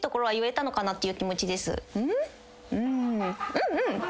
うんうん。